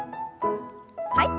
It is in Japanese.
はい。